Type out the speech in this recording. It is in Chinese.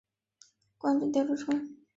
官至殿中丞。